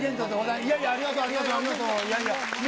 いやいや、ありがとう、ありがとう。もう。